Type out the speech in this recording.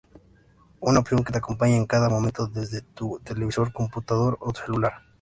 Una opción que te acompaña en cada momento desde tu televisor, computador o celular.